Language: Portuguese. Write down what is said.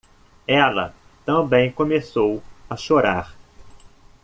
Ela também começou a chorar